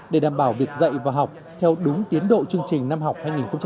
để đảm bảo việc dạy và học theo đúng tiến độ chương trình năm học hai nghìn hai mươi hai nghìn hai mươi